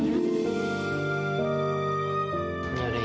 yaudah ya cukup banget ya